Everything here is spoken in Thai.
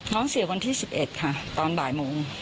เสียวันที่๑๑ค่ะตอนบ่ายโมง